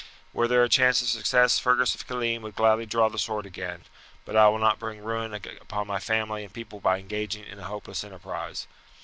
"Were there a chance of success, Fergus of Killeen would gladly draw the sword again; but I will not bring ruin upon my family and people by engaging in a hopeless enterprise.